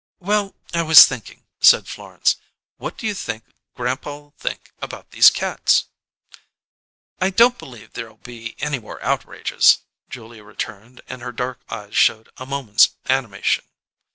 "Well, I was thinking," said Florence. "What do you think grandpa'll think about these cats?" "I don't believe there'll be any more outrages," Julia returned, and her dark eyes showed a moment's animation.